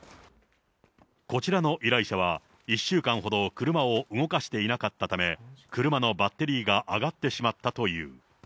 こちらの依頼者は、１週間ほど車を動かしていなかったため、車のバッテリーが上がってしまったという。